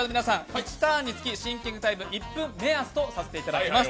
１ターンにつきシンキングタイム１分目安とさせていただきます。